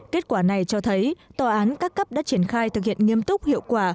kết quả này cho thấy tòa án các cấp đã triển khai thực hiện nghiêm túc hiệu quả